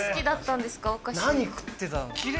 何食ってた。